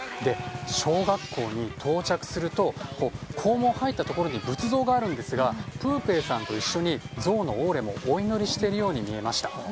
小学校に到着すると校門を入ったところに仏像があるんですがプーペーさんと一緒にゾウのオーレもお祈りしているように見えました。